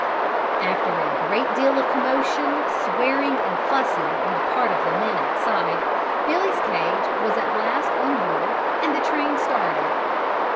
After a great deal of commotion, swearing and fussing on the part of the men outside, Billy's cage was at last on board and the train started.